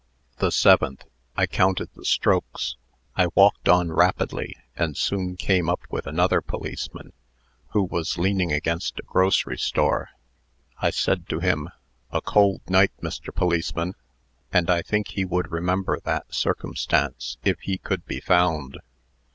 "The Seventh. I counted the strokes. I walked on rapidly, and soon came up with another policeman, who was leaning against a grocery store. I said to him, 'A cold night, Mr. Policeman,' and I think he would remember that circumstance, if he could be found.